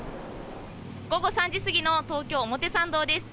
午後３時過ぎの東京・表参道です。